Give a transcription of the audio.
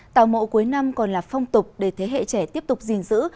tàu mộ cuối năm còn là phong tục để thế hệ trẻ tiếp tục gìn giữ